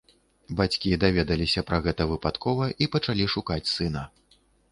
Бацькі даведаліся пра гэта выпадкова і пачалі шукаць сына.